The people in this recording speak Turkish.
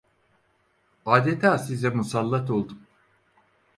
Adeta size musalLat oldum…